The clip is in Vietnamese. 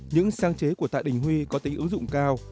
những sáng chế của tạ đình huy có tính ứng dụng cao